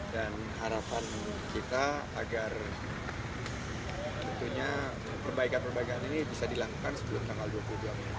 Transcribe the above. harapan kita agar tentunya perbaikan perbaikan ini bisa dilakukan sebelum tanggal dua puluh dua mei